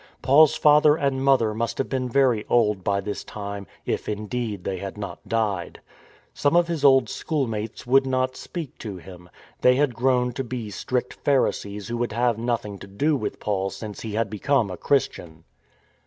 Paul's father and mother must have been very old by this time; if, indeed, they had not died. Some of his old schoolmates would not speak to him — they had grown to be strict Pharisees who would have nothing to do with Paul since he had become a Christian.